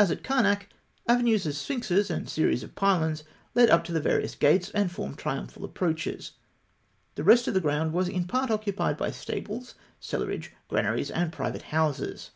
As at Karnak, avenues of sphinxes and series of pylons led up to the various gates, and formed triumphal approaches. The rest of the ground was in part occupied by stables, cellarage, granaries, and private houses.